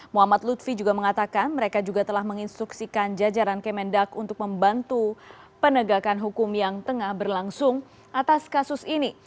muhammad lutfi juga mengatakan mereka juga telah menginstruksikan jajaran kemendak untuk membantu penegakan hukum yang tengah berlangsung atas kasus ini